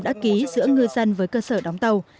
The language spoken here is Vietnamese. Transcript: đã ký giữa ngư dân với cơ sở đóng tàu